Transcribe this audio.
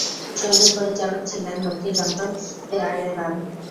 সঙ্গীত পরিচালক ছিলেন লক্ষ্মীকান্ত-প্যায়ারেলাল।